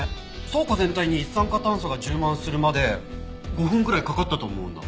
倉庫全体に一酸化炭素が充満するまで５分くらいかかったと思うんだ。